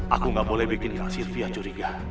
aku gak boleh bikin kak silvia curiga